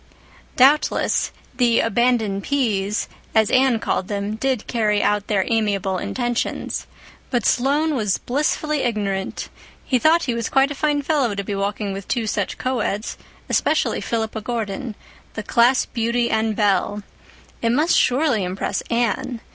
Doubtless, "the abandoned P's," as Anne called them, did carry out their amiable intentions. But Sloane was blissfully ignorant; he thought he was quite a fine fellow to be walking with two such coeds, especially Philippa Gordon, the class beauty and belle. It must surely impress Anne.